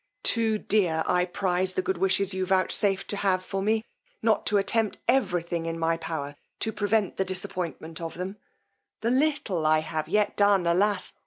Too dear I prize the good wishes you vouchsafe to have for me, not to attempt every thing in my power to prevent the disappointment of them: the little I have yet done, alas!